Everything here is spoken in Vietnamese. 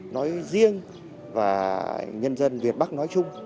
nói riêng và nhân dân việt bắc nói chung